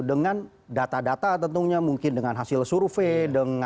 dengan data data tentunya mungkin dengan hasil survei